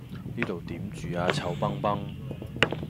呢度點住呀臭崩崩